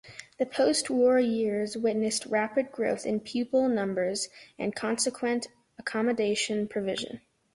The post-war years witnessed rapid growth in pupil numbers and consequent accommodation provision.